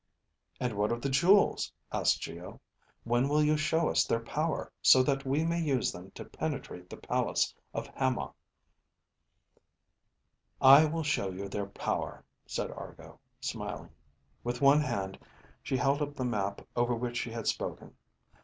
"And what of the jewels?" asked Geo. "When will you show us their power so that we may use them to penetrate the palace of Hama?" "I will show you their power," said Argo, smiling. With one hand she held up the map over which she had spoken.